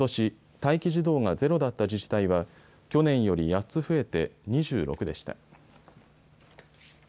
待機児童がゼロだった自治体は去年より８つ増えて２６でした。